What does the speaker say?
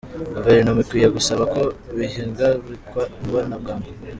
Guverinoma ikwiye gusaba ko bihagarikwa vuba na bwangu.